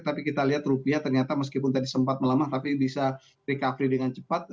tapi kita lihat rupiah ternyata meskipun tadi sempat melemah tapi bisa recovery dengan cepat